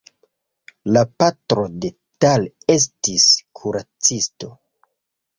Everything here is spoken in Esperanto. La patro de Tal estis kuracisto.